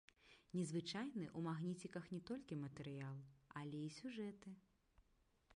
Незвычайны ў магніціках не толькі матэрыял, але і сюжэты.